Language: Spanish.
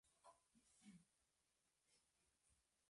No está claro si Flanagan hizo esto antes de su despido.